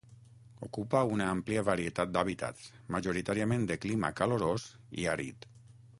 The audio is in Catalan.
Ocupa una àmplia varietat d'hàbitats, majoritàriament de clima calorós i àrid.